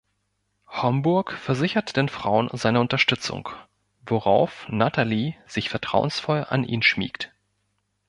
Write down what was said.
Homburg versichert den Frauen seine Unterstützung, worauf Natalie sich vertrauensvoll an ihn schmiegt.